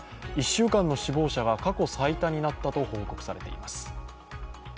１週間の死亡者が過去最多になったと報告されています。